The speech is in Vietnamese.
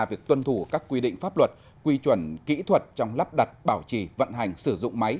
việc tuân thủ các quy định pháp luật quy chuẩn kỹ thuật trong lắp đặt bảo trì vận hành sử dụng máy